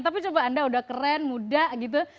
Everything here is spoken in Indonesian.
tapi coba anda udah keren muda gitu